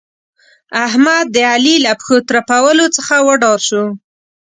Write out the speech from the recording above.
احمد؛ د علي له پښو ترپولو څخه وډار شو.